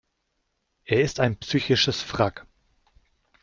Er ist ein psychisches Wrack.